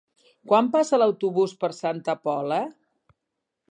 Quan passa l'autobús per Santa Pola?